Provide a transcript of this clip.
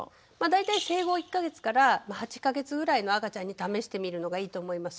大体生後１か月から８か月ぐらいの赤ちゃんに試してみるのがいいと思います。